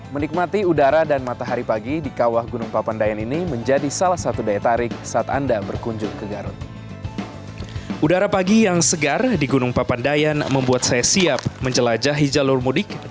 menikmati udara dan matahari pagi di kawah gunung papandayan ini menjadi salah satu daya tarik ke garut